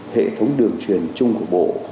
hệ thống đường truyền chung của bộ